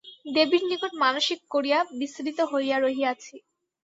দেবীর নিকট মানসিক করিয়া বিস্মৃত হইয়া রহিয়াছি।